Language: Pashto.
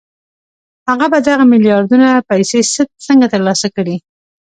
هغه به دغه میلیاردونه پیسې څنګه ترلاسه کړي